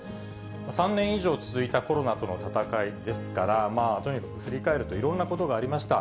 ３年以上続いたコロナとの闘いですから、とにかく振り返ると、いろんなことがありました。